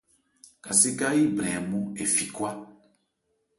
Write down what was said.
Kasé khhɛ́n áyí brɛn hɛ nmɔ́n ɛ fi khwa.